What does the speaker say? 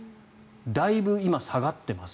だいぶ今、下がっています。